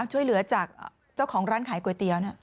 ช่วยเหลือจากเจ้าของร้านขายก๋วยเตี๋ยว